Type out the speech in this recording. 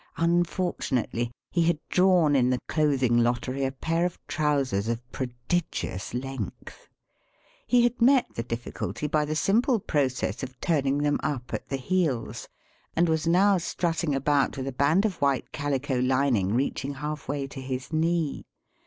Unfor tunately, he had drawn in the clothing lottery a pair of trousers of prodigious length. He had met the difficulty by the simple process of turning them up at the heels, and was now strutting about with a band of white calico lining reaching half way to his knee.